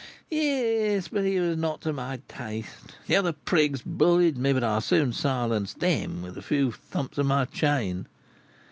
"Yes, but it was not to my taste. The other 'prigs' bullied me; but I soon silenced them with a few thumps of my chain.